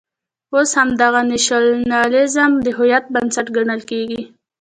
اوس همدغه نېشنلېزم د هویت بنسټ ګڼل کېږي.